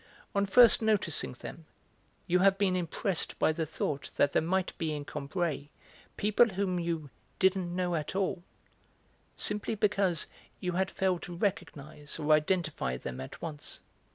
On first noticing them you have been impressed by the thought that there might be in Combray people whom you 'didn't know at all,' simply because, you had failed to recognise or identify them at once.